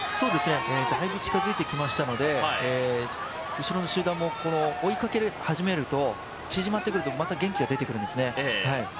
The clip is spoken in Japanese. だいぶ近づいてきましたので、後ろの集団も追いかけ始めると縮まってくるとまた元気が出てくるんですね。